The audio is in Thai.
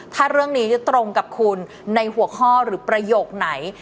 ถ้าเรื่องนี้จะตรงกับคุณในหัวข้อหรือประโยคไหน